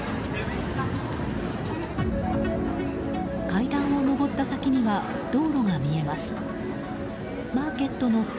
階段を上った先には道路が見えます。